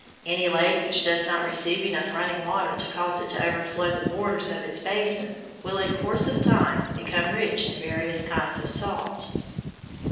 Any lake which does not receive enough running water to cause it to overflow the borders of its basin, will in course of time become rich in various kinds of salt.